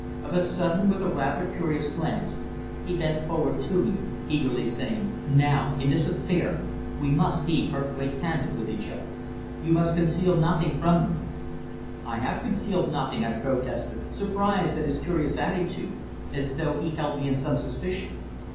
Of a sudden, with a rather curious glance, he bent forward to me, eagerly saying "Now in this affair we must be perfectly candid with each other. You must conceal nothing from me." "I have concealed nothing," I protested, surprised at his curious attitude, as though he held me in some suspicion.